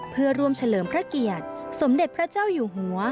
เพื่อร่วมเฉลิมพระเกียรติสมเด็จพระเจ้าอยู่หัว